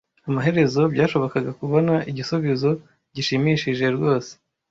Amaherezo byashobokaga kubona igisubizo gishimishije rwose.